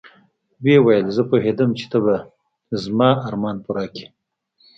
ويې ويل زه پوهېدم چې ته به د ما ارمان پوره کيې.